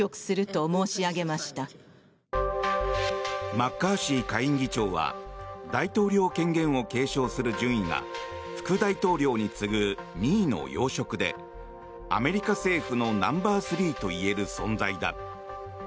マッカーシー下院議長は大統領権限を継承する順位が副大統領に次ぐ２位の要職でアメリカ政府のナンバースリーといえる存在だ。